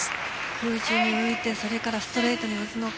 空中に浮いてそれからストレートに打つのか